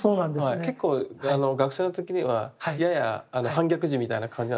結構学生の時にはやや反逆児みたいな感じなんですか？